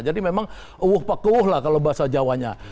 jadi memang uh pah ke uh lah kalau bahasa jawanya